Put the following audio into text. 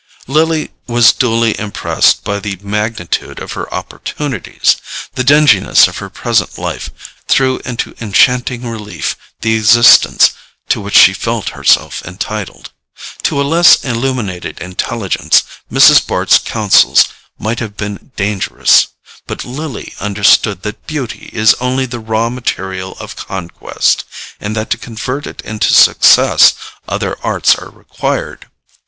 Lily was duly impressed by the magnitude of her opportunities. The dinginess of her present life threw into enchanting relief the existence to which she felt herself entitled. To a less illuminated intelligence Mrs. Bart's counsels might have been dangerous; but Lily understood that beauty is only the raw material of conquest, and that to convert it into success other arts are required.